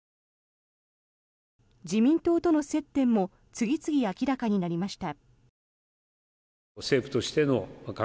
自民党との接点も次々明らかになりました。